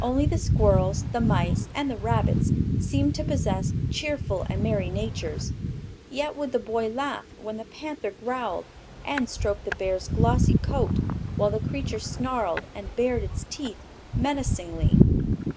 Only the squirrels, the mice and the rabbits seemed to possess cheerful and merry natures; yet would the boy laugh when the panther growled, and stroke the bear's glossy coat while the creature snarled and bared its teeth menacingly.